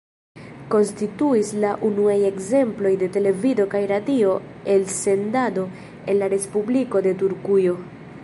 Konstituis la unuaj ekzemploj de televido kaj radio elsendado en la Respubliko de Turkujo.